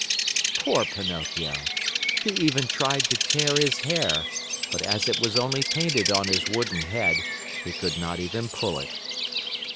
Poor Pinocchio! He even tried to tear his hair, but as it was only painted on his wooden head, he could not even pull it.